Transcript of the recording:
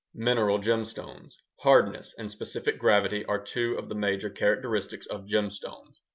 ] Mineral gemstones Hardness and specific gravity are two of the major characteristics of gemstones.